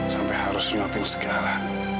sampai harus ngapain segala